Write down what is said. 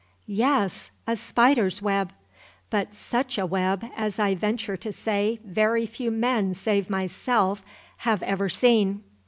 Yes, a spider's web! but such a web as I venture to say very few men save myself have ever seen.